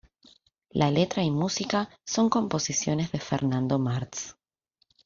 La letra y música son composiciones de Fernando Martz.